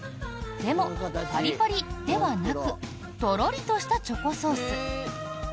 でも、パリパリではなくトロリとしたチョコソース。